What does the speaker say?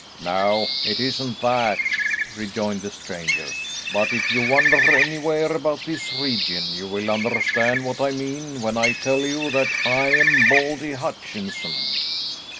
"No, it isn't that," rejoined the stranger, "but if you wander anywhere about this region you will understand what I mean when I tell you that I'm Baldy Hutchinson."